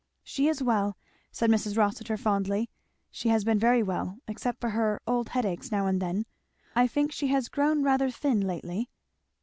"She is well," said Mrs. Rossitur fondly, "she has been very well except her old headaches now and then; I think she has grown rather thin lately."